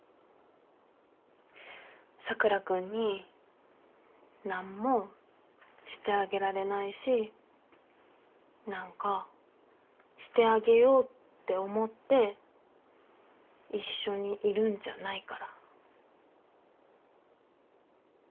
佐倉君に何もしてあげられないし何かしてあげようって思って一緒にいるんじゃないから。